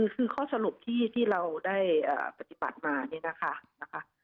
คือข้อสรุปที่เราได้ปฏิบัติมาเนี่ยนะคะ